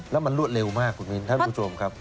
แล้วมันรวดเร็วมากถ้าคุณผู้ชมครับ